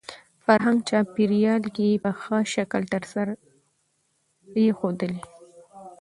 فرهنګ ،چاپېريال يې په ښه شکل سره يې ښودلى .